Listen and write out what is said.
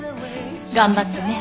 頑張ってね。